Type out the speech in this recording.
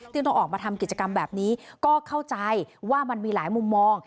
ต้องออกมาทำกิจกรรมแบบนี้ก็เข้าใจว่ามันมีหลายมุมมอง